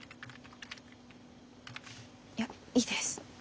いやいいです。